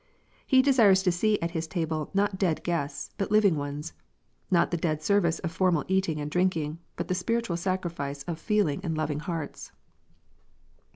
He desires to see at His Table not dead guests, but living ones, not the dead service of formal eating and drinking, but the spiritual sacrifice of feeling and loving hearts.